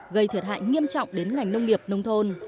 gây thiệt hại nghiêm trọng đến ngành nông nghiệp nông thôn